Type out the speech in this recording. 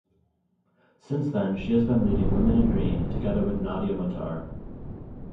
Since then she has been leading Women in Green together with Nadia Matar.